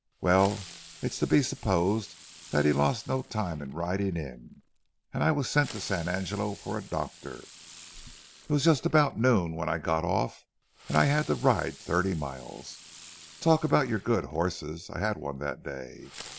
Well, it's to be supposed that he lost no time riding in, and I was sent to San Angelo for a doctor. It was just noon when I got off. I had to ride thirty miles. Talk about your good horses—I had one that day.